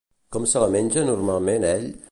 Com se la menja normalment ell?